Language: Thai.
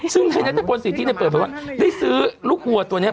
ซึ่งในเน็ตโปรดสิทธิในเปิดแบบว่าได้ซื้อลูกหัวตัวเนี่ย